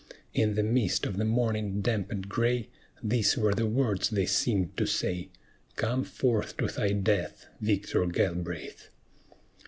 In the mist of the morning damp and gray, These were the words they seemed to say: "Come forth to thy death, Victor Galbraith!"